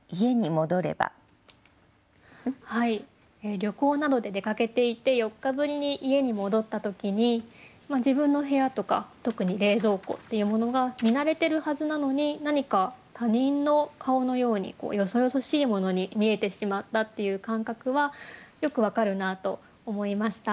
旅行などで出かけていて４日ぶりに家に戻った時に自分の部屋とか特に冷蔵庫っていうものが見慣れてるはずなのに何か他人の顔のようによそよそしいものに見えてしまったっていう感覚はよく分かるなと思いました。